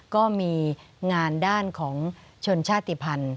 ก็มีงานด้านของชนชาติภัณฑ์